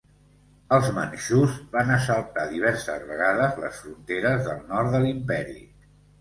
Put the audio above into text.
Els manxús van assaltar, diverses vegades, les fronteres del Nord de l'imperi.